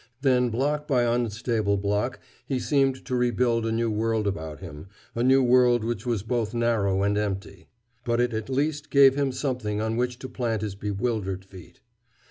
Then block by unstable block he seemed to rebuild a new world about him, a new world which was both narrow and empty. But it at least gave him something on which to plant his bewildered feet.